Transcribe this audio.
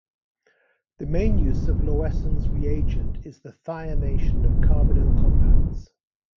The main use of Lawesson's reagent is the thionation of carbonyl compounds.